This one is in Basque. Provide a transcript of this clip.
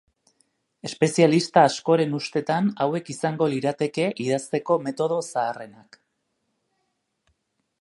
Espezialista askoren ustetan hauek izango lirateke idazteko metodo zaharrenak.